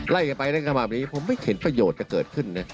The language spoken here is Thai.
ไล่ไปได้กันแบบนี้ผมไม่เห็นประโยชน์จะเกิดขึ้น